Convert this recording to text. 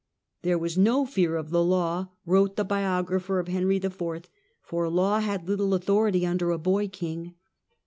" There was no fear of the law," wrote the biographer of Henry IV., " for law had little authority under a boy king."